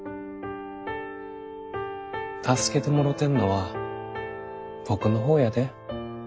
助けてもろてんのは僕の方やで。